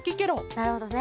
なるほどね。